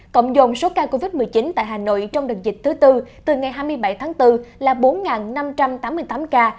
cộng dồn số ca covid một mươi chín tại hà nội trong đợt dịch thứ tư từ ngày hai mươi bảy tháng bốn là bốn năm trăm tám mươi tám ca